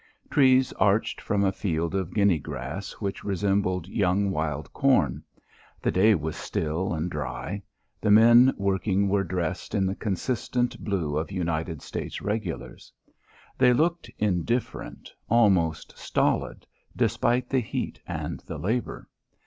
Trees arched from a field of guinea grass which resembled young wild corn. The day was still and dry. The men working were dressed in the consistent blue of United States regulars. They looked indifferent, almost stolid, despite the heat and the labour.